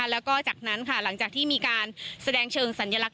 แล้วก็จากนั้นค่ะหลังจากที่มีการแสดงเชิงสัญลักษ